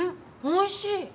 おいしい。